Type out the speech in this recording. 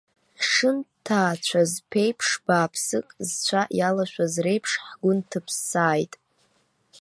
Ҳшынҭаацәаз ԥеиԥш бааԥсык зцәа иалашәаз реиԥш, ҳгәы нҭыԥсааит.